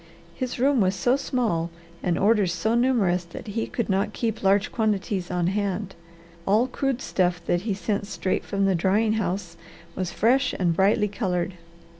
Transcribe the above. His room was so small and orders so numerous that he could not keep large quantities on hand. All crude stuff that he sent straight from the drying house was fresh and brightly coloured.